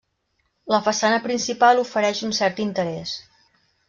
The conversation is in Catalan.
La façana principal ofereix un cert interès.